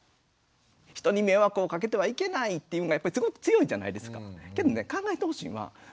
人に迷惑をかけてはいけないっていうのがすごく強いじゃないですか。